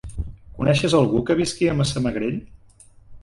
Coneixes algú que visqui a Massamagrell?